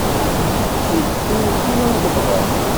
Yestewtiw am temɣart.